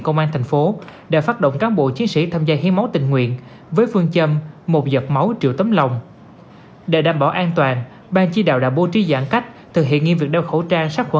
cán bộ chiến sĩ công an tp cn tham gia hiến máu